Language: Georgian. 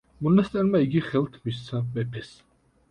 მონასტერმა იგი ხელთ მისცა მეფეს.